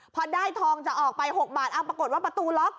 พอได้ทองจะออกไป๖บาทปรากฏว่าประตูล็อก